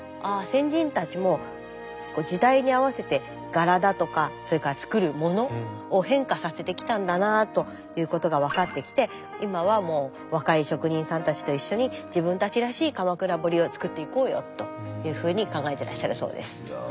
先人たちも時代に合わせて柄だとかそれから作るものを変化させてきたんだなということが分かってきて今はもう若い職人さんたちと一緒に自分たちらしい鎌倉彫を作っていこうよというふうに考えてらっしゃるそうです。